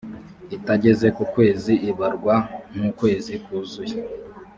itageze ku kwezi ibarwa nk ukwezi kuzuye